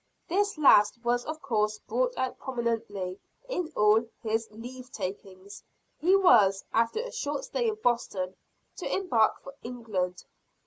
This last was of course brought out prominently in all his leave takings he was, after a short stay in Boston, to embark for England.